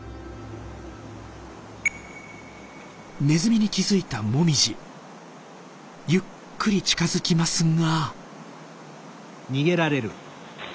ネズミに気付いたもみじゆっくり近づきますが。